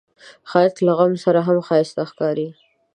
ښایست له غم سره هم ښايسته ښکاري